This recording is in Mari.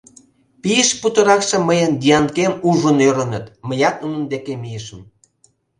пийышт путыракшым мыйын Дианкем ужын ӧрыныт, мыят нунын дек мийышым.